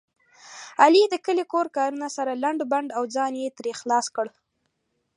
علي د کلي کور کارونه سره لنډ بنډ او ځان یې ترې خلاص کړ.